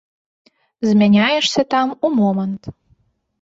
Змяняешся там у момант.